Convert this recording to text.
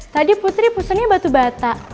tadi putri pesennya batu bata